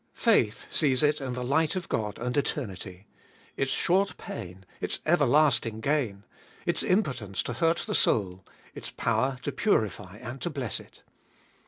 Faith sees it in the light of God and eternity ; its short pain, its everlasting gain ; its impotence to hurt the soul, its power to purify and to bless it.